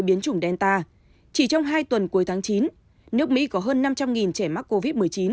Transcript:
biến chủng delta chỉ trong hai tuần cuối tháng chín nước mỹ có hơn năm trăm linh trẻ mắc covid một mươi chín